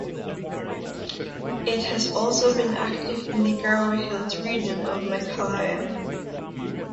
It has also been active in the Garo Hills region of Meghalaya.